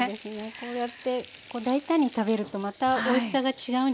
こうやって大胆に食べるとまたおいしさが違うんじゃないかなと思って。